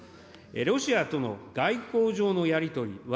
ロシアとの外交上のやり取りは、